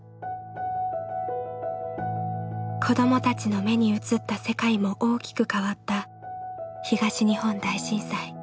子どもたちの目に映った世界も大きく変わった東日本大震災。